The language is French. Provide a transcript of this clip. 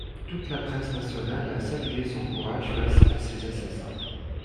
Toute la presse nationale a salué son courage face à ses assassins.